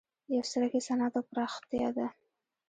یو څرک یې صنعت او پراختیا ده.